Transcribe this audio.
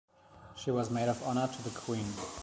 She was maid of honour to the Queen.